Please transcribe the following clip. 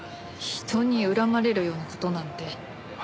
人に恨まれるような事なんて。